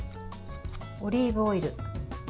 オリーブオイル。